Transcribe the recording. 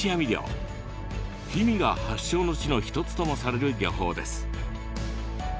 氷見が発祥の地の一つともされる漁法です。